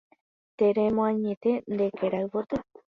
Teremoañete nde kerayvoty